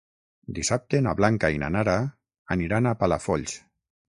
Dissabte na Blanca i na Nara aniran a Palafolls.